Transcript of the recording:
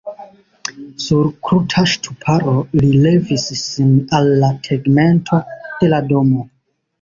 Sur kruta ŝtuparo li levis sin al la tegmento de la domo.